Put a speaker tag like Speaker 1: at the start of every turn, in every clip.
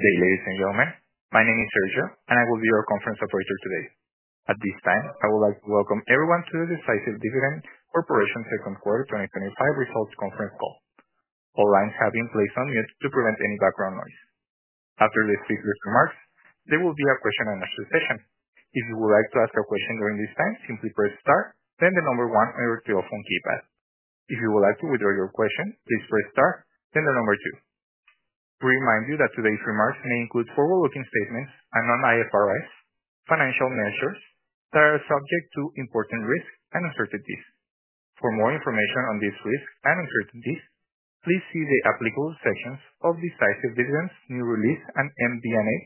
Speaker 1: Good evening, sir and madam. My name is Sergio, and I will be your conference operator today. At this time, I would like to welcome everyone to the Decisive Dividend Corporation Second Quarter 2025 Results Conference Call. All lines have been placed on mute to prevent any background noise. After the scripted remarks, there will be a questio-and-answer session. If you would like to ask a question during this time, simply press star then the number one on your telephone keypad. If you would like to withdraw your question, please press star then the number two. We remind you that today's remarks may include forward-looking statements and non-IFRS financial measures that are subject to important risks and uncertainties. For more information on these risks and uncertainties, please see the applicable sections of Decisive Dividend Corporation's news release and MD&A,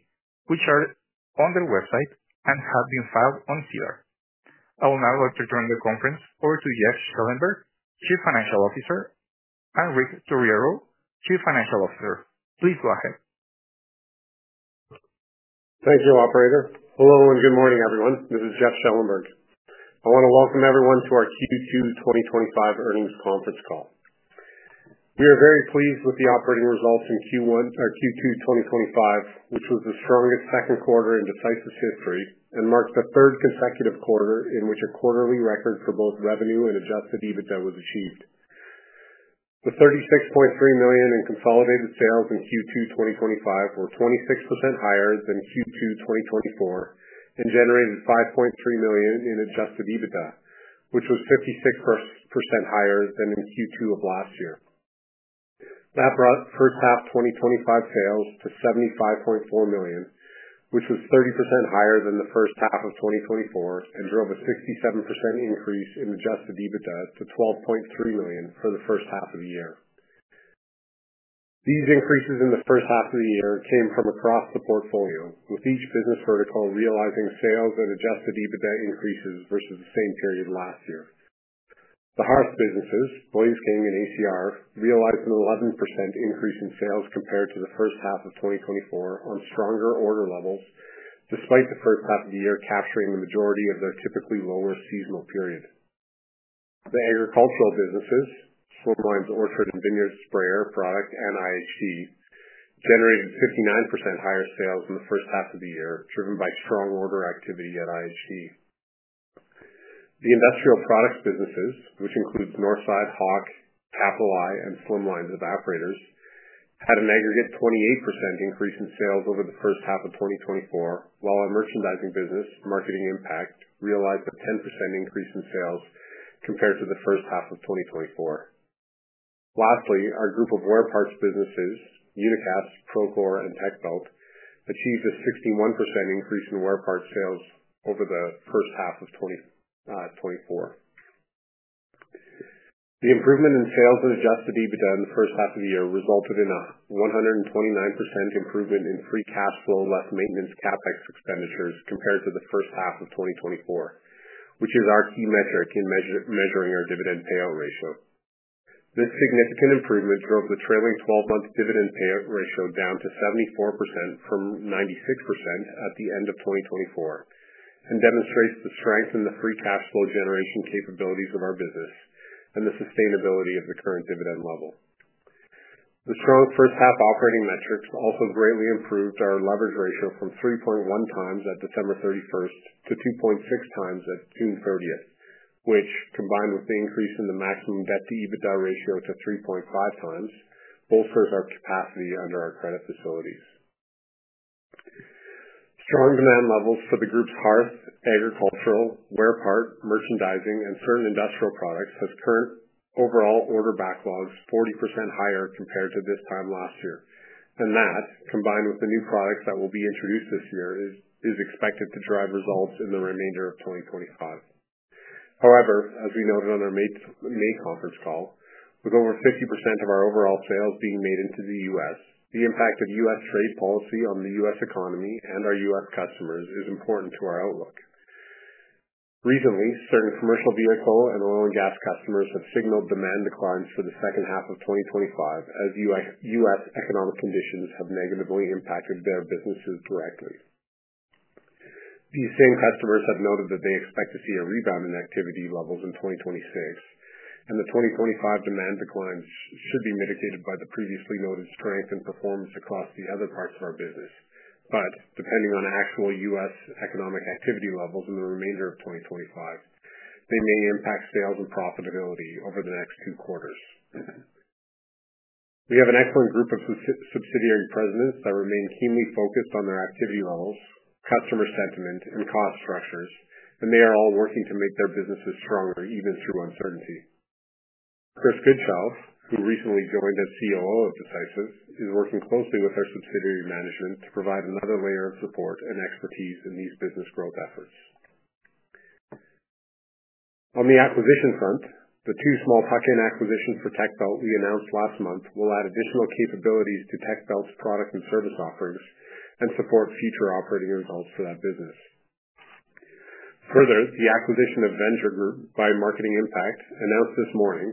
Speaker 1: which are on their website and have been filed on SEDAR. I will now like to turn the conference over to Jeff Schellenberg, Chief Executive Officer, and Rick Torriero, Chief Financial Officer. Please go ahead.
Speaker 2: Thank you, operator. Hello and good morning, everyone. This is Jeff Schellenberg. I want to welcome everyone to our Q2 2025 Earnings Conference Call. We are very pleased with the operating results in Q2 2025, which was the strongest second quarter in Decisive's history and marked the third consecutive quarter in which a quarterly record for both revenue and adjusted EBITDA was achieved. The 36.3 million in consolidated sales in Q2 2025 were 26% higher than Q2 2024 and generated 5.3 million in adjusted EBITDA, which was 56% higher than in Q2 of last year. That brought first half 2025 sales to 75.4 million, which was 30% higher than the first half of 2024, and drove a 67% increase in adjusted EBITDA to 12.3 million for the first half of the year. These increases in the first half of the year came from across the portfolio, with each business vertical realizing sales and adjusted EBITDA increases versus the same period last year. The hearth businesses, Blaze King and ACR, realized an 11% increase in sales compared to the first half of 2024 on stronger order levels, despite the first half of the year capturing the majority of their typically lower seasonal period. The agricultural businesses, Slimline's Orchard and Vineyard Sprayer product and IHT, generated 59% higher sales in the first half of the year, driven by strong order activity at IHG. The industrial products businesses, which include Northside, Hawk, Capital I, and Slimline evaporators, had an aggregate 28% increase in sales over the first half of 2024, while our merchandising business, Marketing Impact, realized a 10% increase in sales compared to the first half of 2024. Lastly, our group of wear-parts businesses, Unicast, Procore, and Techbelt, achieved a 61% increase in wear-parts sales over the first half of 2024. The improvement in sales and adjusted EBITDA in the first half of the year resulted in a 129% improvement in free cash flow, less maintenance CapEx expenditures compared to the first half of 2024, which is our key metric in measuring our dividend payout ratio. This significant improvement drove the trailing 12-month dividend payout ratio down to 74% from 96% at the end of 2024 and demonstrates the strength in the free cash flow generation capabilities of our business and the sustainability of the current dividend level. The strong first half operating metrics also greatly improved our leverage ratio from 3.1x at December 31st to 2.6x at June 30th, which, combined with the increase in the maximum debt to EBITDA ratio to 3.5x, bolsters our capacity under our credit facilities. Strong demand levels for the group's hearth, agricultural, wear part, merchandising, and certain industrial products have turned overall order backlogs 40% higher compared to this time last year, and that, combined with the new products that will be introduced this year, is expected to drive results in the remainder of 2025. However, as we noted on our May conference call, with over 50% of our overall sales being made into the U.S., the impact of U.S. trade policy on the U.S. economy and our U.S. customers is important to our outlook. Recently, certain commercial vehicle and oil and gas customers have signaled demand declines for the second half of 2025 as U.S. economic conditions have negatively impacted their businesses directly. These same customers have noted that they expect to see a rebound in activity levels in 2026, and the 2025 demand declines should be mitigated by the previously noted strength and performance across the other parts of our business. Depending on actual U.S. economic activity levels in the remainder of 2025, they may impact sales and profitability over the next two quarters. We have an excellent group of subsidiary Presidents that remain keenly focused on their activity levels, customer sentiment, and cost structures, and they are all working to make their businesses stronger even through uncertainty. Chris Goodchild, who recently joined as Chief Operating Officer of Decisive, is working closely with our subsidiary management to provide another layer of support and expertise in these business growth efforts. On the acquisition front, the two small pocket acquisitions for Techbelt we announced last month will add additional capabilities to Techbelt's product and service offerings and support future operating results for that business. Further, the acquisition of Venger Group by Marketing Impact announced this morning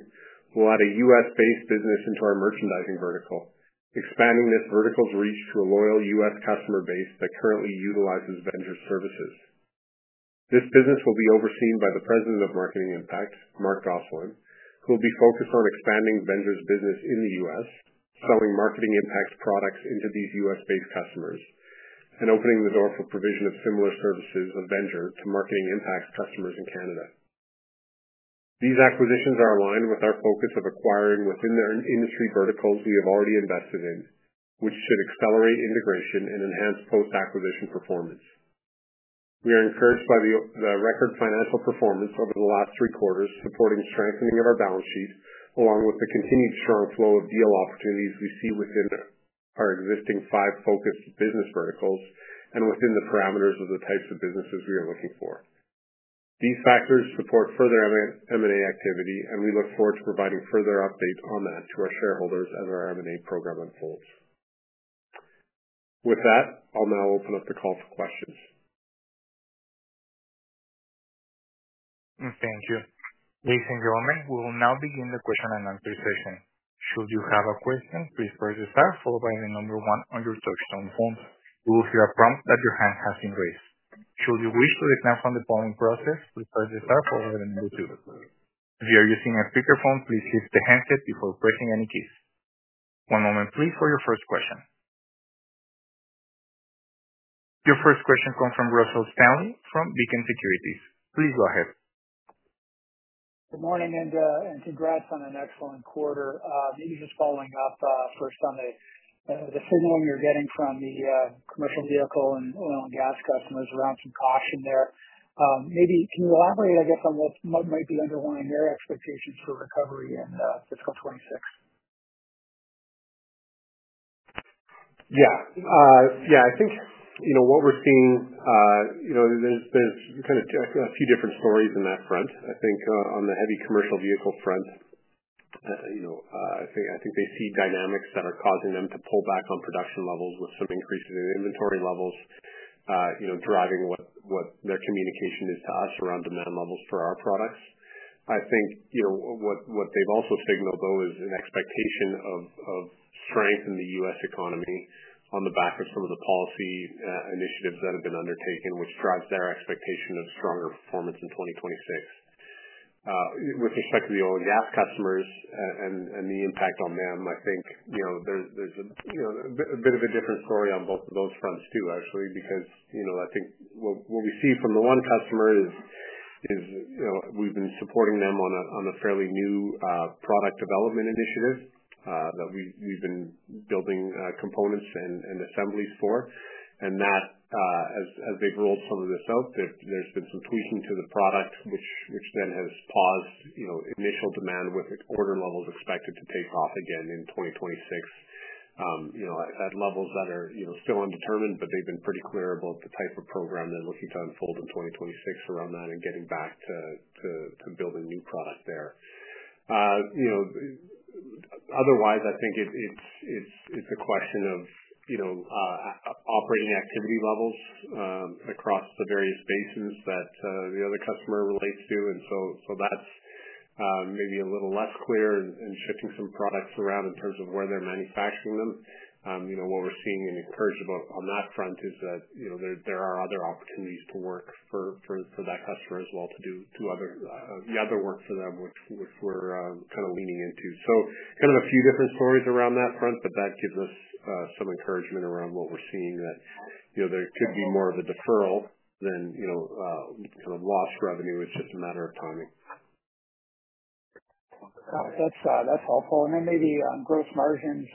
Speaker 2: will add a U.S.-based business into our merchandising vertical, expanding this vertical's reach to a loyal U.S. customer base that currently utilizes Venger services. This business will be overseen by the President of Marketing Impact, Mark Gosselin, who will be focused on expanding Venger's business in the U.S., selling Marketing Impact's products into these U.S.-based customers and opening the door for provision of similar services of Venger to Marketing Impact's customers in Canada. These acquisitions are aligned with our focus of acquiring within the industry verticals we have already invested in, which should accelerate integration and enhance post-acquisition performance. We are encouraged by the record financial performance over the last three quarters, supporting strengthening of our balance sheet along with the continued strong flow of deal opportunities we see within our existing five focused business verticals and within the parameters of the types of businesses we are looking for. These factors support further M&A activity, and we look forward to providing further updates on that to our shareholders as our M&A program unfolds. With that, I'll now open up the call for questions.
Speaker 1: Thank you. Ladies and gentlemen, we will now begin the question and answer session. Should you have a question, please press the star followed by the number one on your touchtone phone. You will hear a prompt that your hand has been raised. Should you wish to withdraw from the following process, please press the star followed by the number two. If you are using a speakerphone, please use the handset before pressing any keys. One moment, please, for your first question. Your first question comes from Russell Stanley from Beacon Securities. Please go ahead.
Speaker 3: Good morning and congrats on an excellent quarter. Maybe just following up first on the slowdown you're getting from the commercial vehicle and oil and gas customers around some caution there. Maybe can you elaborate on what might be underlying their expectations for recovery in fiscal 2026?
Speaker 2: Yeah. I think what we're seeing, there's, you kind of tell a few different stories on that front. I think on the heavy commercial vehicle front, they see dynamics that are causing them to pull back on production levels with some increases in inventory levels, driving what their communication is to us around demand levels for our products. What they've also signaled, though, is an expectation of strength in the U.S. economy on the back of some of the policy initiatives that have been undertaken, which drives their expectation of stronger performance in 2026. With respect to the oil and gas customers and the impact on them, there's a bit of a different story on both of those fronts too, actually, because what we see from the one customer is we've been supporting them on a fairly new product development initiative that we've been building components and assemblies for. As they've rolled some of this out, there's been some tweaking to the product, which then has paused initial demand with order levels expected to take off again in 2026 at levels that are still undetermined, but they've been pretty clear about the type of program they're looking to unfold in 2026 around that and getting back to building new product there. Otherwise, I think it's a question of operating activity levels across the various bases that the other customer relates to. That's maybe a little less clear in shifting some products around in terms of where they're manufacturing them. What we're seeing and encouraged about on that front is that there are other opportunities for work for that customer as well to do the other work for them, which we're kind of leaning into. Kind of a few different stories around that front, but that gives us some encouragement around what we're seeing that there could be more of a deferral than lost revenue. It's just a matter of timing.
Speaker 3: That's helpful. Maybe gross margins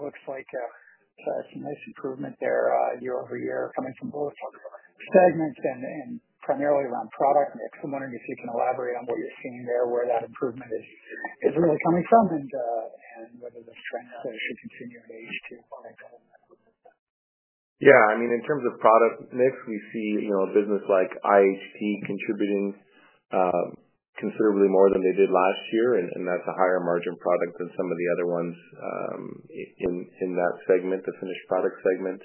Speaker 3: look like a nice improvement there year over year, coming from both segments and primarily around product. I'm wanting to see if you can elaborate on what you're seeing there, where that improvement is really coming from, and whether that's.
Speaker 2: Yeah, I mean, in terms of product mix, we see a business like IHT contributing considerably more than they did last year, and that's a higher-margin product than some of the other ones in that segment, the finished-product segment.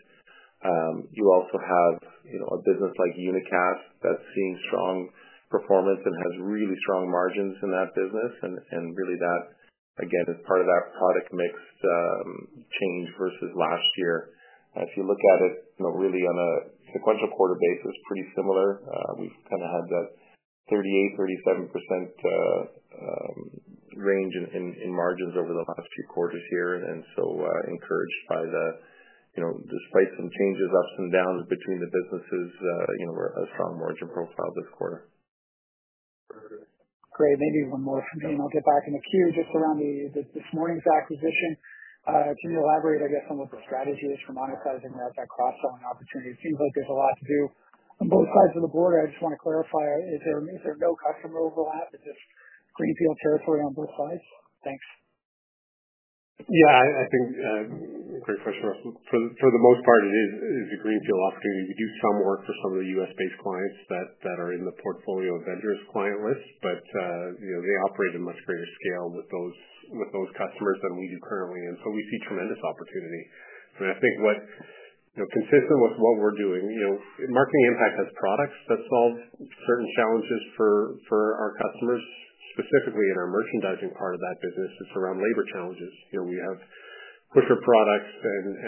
Speaker 2: You also have a business like Unicast that's seeing strong performance and has really strong margins in that business. That, again, is part of that product mix change versus last year. If you look at it really on a sequential-quarter basis, pretty similar. We've kind of had that 38%, 37% range in margins over the last two quarters here. Encouraged by the, despite some changes, ups and downs between the businesses, we're at a strong margin profile this quarter.
Speaker 3: Great. Maybe one more thing, and I'll get back in a few just around this morning's acquisition. Can you elaborate, I guess, on what the strategy is for monetizing that cross-selling opportunity? It seems like there's a lot to do on both sides of the board. I just want to clarify, is there a major no-customer overlap? Is this greenfield territory on both sides? Thanks.
Speaker 2: Yeah, I think for the most part, it is a greenfield opportunity. We do some work for some of the U.S.-based clients that are in the portfolio of Venger's client list, but they operate at a much greater scale with those customers than we do currently. We see tremendous opportunity. I think what's consistent with what we're doing is, you know, Marketing Impact has products that solve service challenges for our customers, specifically in our merchandising part of that business. It's around labor challenges. We have different products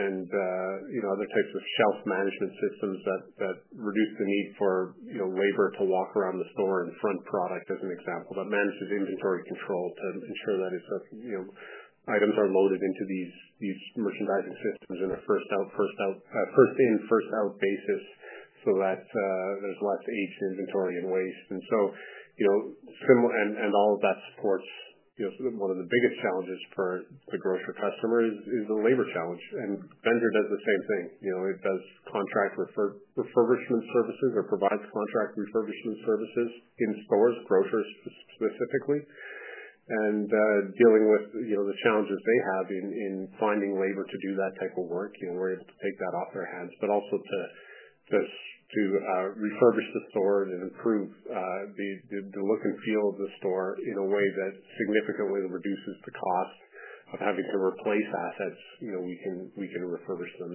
Speaker 2: and other types of shelf management systems that reduce the need for labor to walk around the store and front product, as an example, that manages inventory control to ensure that it's items are loaded into these merchandising systems in a first in, first out basis so that there's less aged inventory and waste. All of that supports one of the biggest challenges for the grocery customer, which is the labor challenge. Venger does the same thing. It provides contract refurbishment services in stores, grocers specifically, and deals with the challenges they have in finding labor to do that type of work. We're able to take that off their hands, but also to refurbish the store and improve the look and feel of the store in a way that significantly reduces the cost of having to replace assets. We can refurbish them.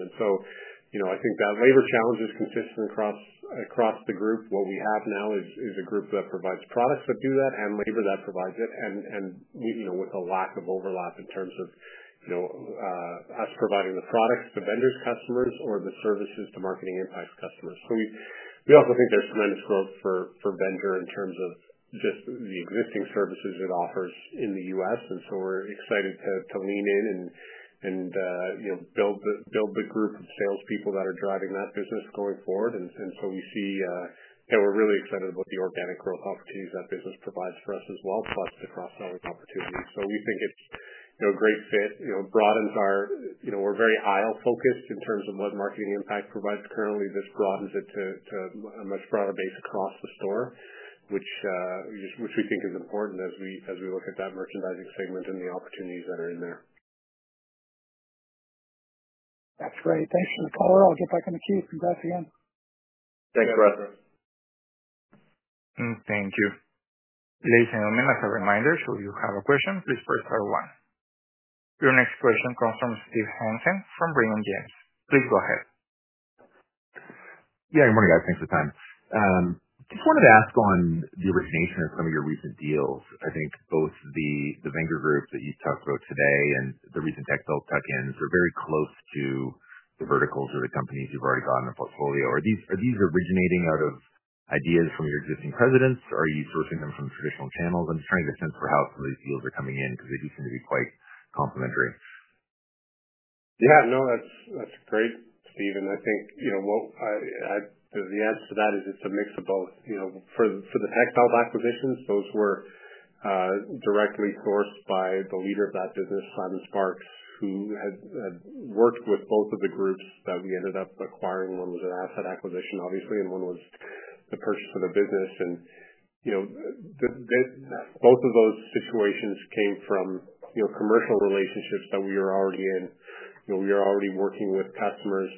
Speaker 2: I think that labor challenge is consistent across the group. What we have now is a group that provides products that do that and labor that provides it. We have a lack of overlap in terms of us providing the products to Venger's customers or the services to Marketing Impact's customers. We also think there's tremendous growth for Venger in terms of just the existing services it offers in the U.S. We're excited to lean in and build the group of salespeople that are driving that business going forward. We see and we're really excited about the organic growth opportunities that business provides for us as well, plus the cross-selling opportunities. We think it's a great fit. It broadens our focus. We're very aisle-focused in terms of what Marketing Impact provides currently. This broadens it to a much broader basic cost of store, which we think is important as we look at that merchandising segment and the opportunities that are in there.
Speaker 3: That's great. Thank you. Before we roll, I'll get back in a few. Congrats again.
Speaker 2: Thanks, Russell.
Speaker 1: Thank you. Ladies and gentlemen, as a reminder, should you have a question, please press star one. Your next question comes from Steve Hansen from Raymond James. Please go ahead.
Speaker 4: Good morning, guys. Thanks for the time. I just wanted to ask on the origination of some of your recent deals. I think both the Venger Group that you talked about today and the recent Techbelt tuck-ins, they're very close to the verticals or the companies you've already got in a portfolio. Are these originating out of ideas from your existing Presidents? Are you sourcing them from traditional channels? I'm just trying to get a sense for how some of these deals are coming in because they do seem to be quite complementary.
Speaker 2: Yeah, no, that's great, Steve. I think the answer to that is it's a mix of both. For the Techbelt acquisitions, those were directly sourced by the leader of that business, Simon Sparkes, who had worked with both of the groups that we ended up acquiring. One was an asset acquisition, obviously, and one was the purchase of the business. Both of those situations came from commercial relationships that we were already in. We were already working with customers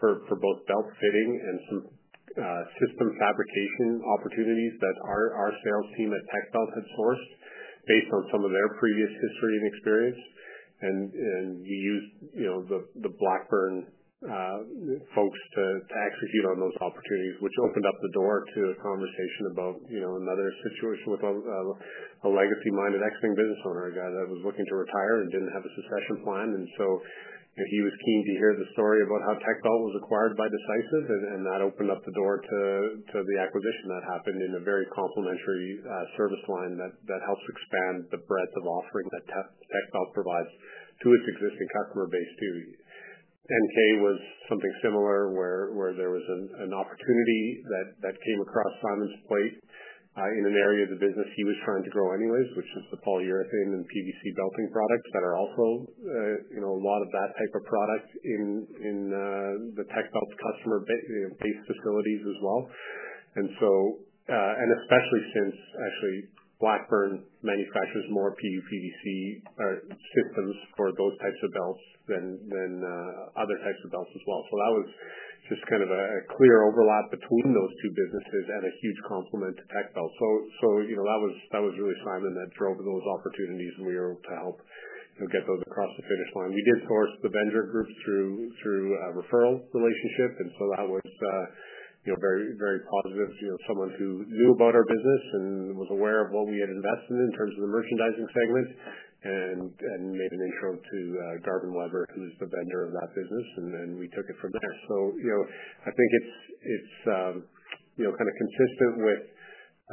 Speaker 2: for both belt fitting and some system fabrication opportunities that our sales team at Techbelt had sourced based on some of their previous history and experience. We used the Blackburn folks to execute on those opportunities, which opened up the door to a conversation about another situation with a legacy-minded equity business owner, a guy that was looking to retire and didn't have a succession plan. He was keen to hear the story about how Techbelt was acquired by Decisive Dividend, and that opened up the door to the acquisition that happened in a very complementary service line that helps expand the breadth of offerings that Techbelt provides to its existing customer base, too. NK was something similar where there was an opportunity that came across Simon's plate in an area of the business he was trying to grow anyways, which is the polyurethane and PVC belting products that are also a lot of that type of product in Techbelt's customer-based facilities as well. Especially since, actually, Blackburn manufactures more PVC systems for those types of belts than other types of belts as well. That was just kind of a clear overlap between those two businesses and a huge compliment to Techbelt. That was really Simon that drove those opportunities, and we were able to help get those across the finish line. We did source the Venger Group through a referral relationship. That was very, very positive. Someone who knew about our business and was aware of what we had invested in in terms of the merchandising segment. They showed to Garvin Weber, who's the vendor of that business, and then we took it from there. I think it's kind of consistent with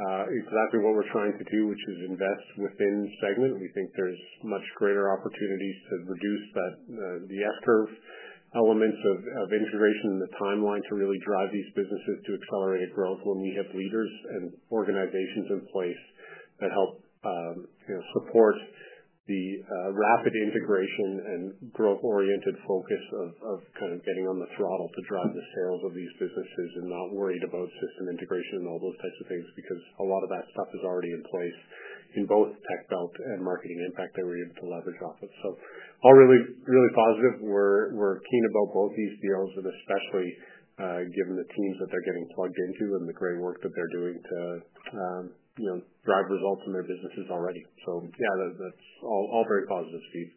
Speaker 2: exactly what we're trying to do, which is invest within the segment. We think there's much greater opportunities to reduce the S-curve elements of integration in the timeline to really drive these businesses to accelerated growth when we hit leaders and organizations at this point that help support the rapid integration and growth-oriented focus of getting on the throttle to drive the sales of these businesses and not worried about system integration and all those types of things because a lot of that stuff is already in place in both Techbelt and Marketing Impact that we were able to leverage off of. All really, really positive. We're keen about both these deals and especially given the teams that they're getting plugged into and the great work that they're doing to drive results in their businesses already. That's all very positive, Steve.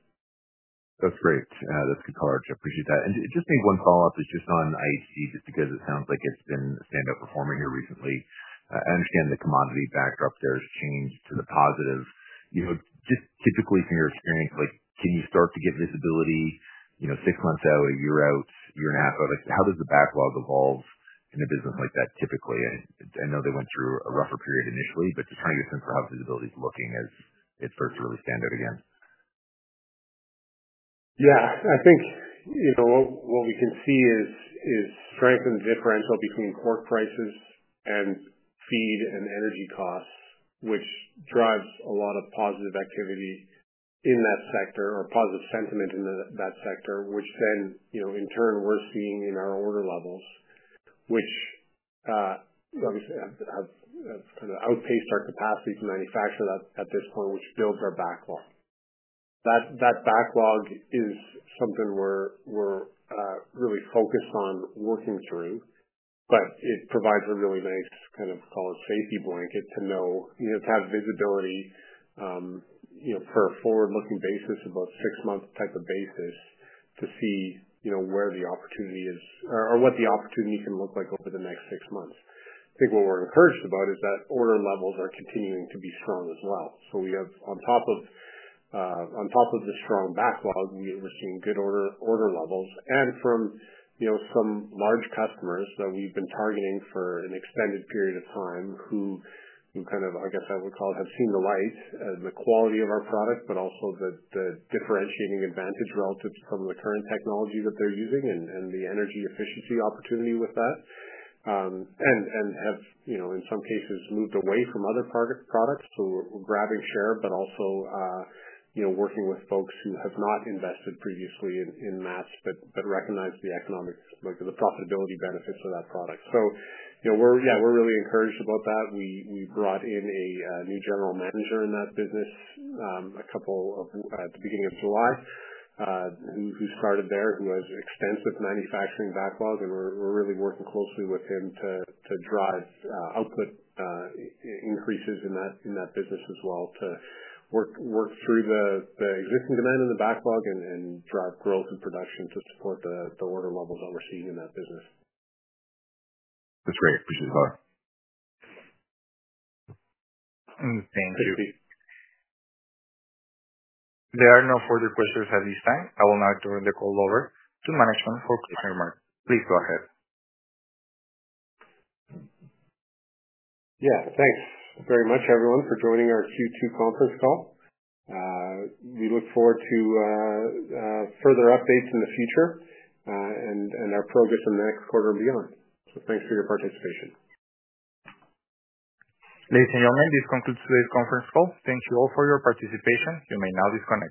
Speaker 4: That's great. That's good to hear. I appreciate that. Just maybe one follow-up is just on IHT because it sounds like it's been a standout performer here recently. I understand the commodity backdrop there has changed to the positive. Just typically from your experience, can you start to give visibility six months out, a year out, a year and a half out? How does the backlog evolve in a business like that typically? I know they went through a rougher period initially, but just trying to get some proper visibility to looking as it starts to really stand out again.
Speaker 2: Yeah, I think what we can see is, frankly, the differential between cork prices and feed and energy costs, which drives a lot of positive activity in that sector or positive sentiment in that sector, which then, in turn, we're seeing in our order levels, which obviously have kind of outpaced our capacity to manufacture that at this point, which fills our backlog. That backlog is something we're really focused on working through, but it provides a really nice, kind of solid safety blanket to know, to have visibility, for a forward-looking basis of a six-month type of basis to see where the opportunity is or what the opportunity can look like over the next six months. I think what we're encouraged about is that order levels are continuing to be strong as well. We have, on top of the strong backlog, we are seeing good order levels. From large customers that we've been targeting for an extended period of time who, I guess I would call it, have seen the light and the quality of our product, but also the differentiating advantage relative to some of the current technology that they're using and the energy efficiency opportunity with that, and have, in some cases, moved away from other products to grab a share, but also working with folks who have not invested previously in mass but recognize the economics, like the profitability benefits of that product. We're really encouraged about that. We brought in a new General Manager in that business at the beginning of July, who started there. He has an extensive manufacturing backlog, and we're really working closely with him to drive output increases in that business as well to work through the existing demand in the backlog and drive growth and production to support the order levels that we're seeing in that business.
Speaker 4: That's great. Appreciate that.
Speaker 1: Thank you. There are no further questions at this time. I will now turn the call over to management for closing remarks. Please go ahead.
Speaker 2: Yeah, thanks very much, everyone, for joining our Q2 conference call. We look forward to further updates in the future and our progress in the next quarter and beyond. Thanks for your participation.
Speaker 1: Ladies and gentlemen, this concludes today's conference call. Thank you all for your participation. You may now disconnect.